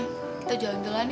nggak aku pengen pulang